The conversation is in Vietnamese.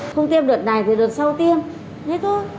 không tiêm đợt này thì đợt sau tiêm hết thôi